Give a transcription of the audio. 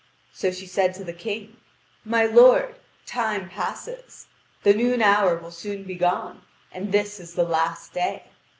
So she said to the King: "My lord, time passes. The noon hour will soon be gone, and this is the last day.